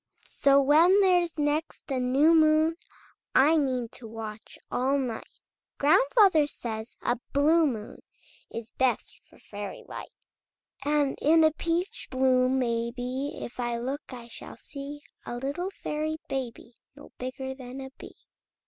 So when there's next a new moon, I mean to watch all night! Grandfather says a blue moon Is best for fairy light, And in a peach bloom, maybe, If I look I shall see A little fairy baby No bigger than a bee!